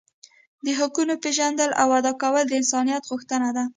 د حقونو پیژندل او ادا کول د انسانیت غوښتنه ده.